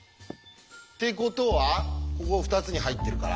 ってことはここ２つに入ってるから。